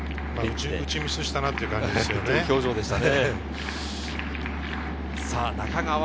打ちミスしたなという感じでしたね。